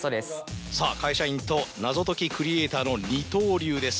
さぁ会社員と謎解きクリエイターの二刀流です。